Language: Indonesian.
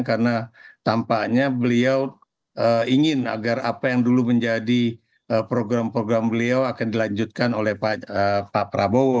karena tampaknya beliau ingin agar apa yang dulu menjadi program program beliau akan dilanjutkan oleh pak prabowo